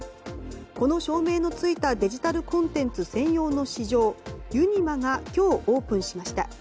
この証明のついたデジタルコンテンツ専用の市場ユニマが今日オープンしました。